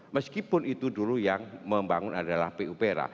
meskipun itu dulu yang membangun adalah pupera